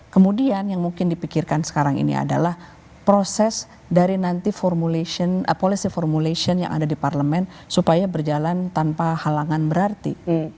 kemudian yang mungkin dipikirkan sekarang ini adalah proses dari nanti policy formulation yang ada di parlemen supaya berjalan tanpa halangan berarti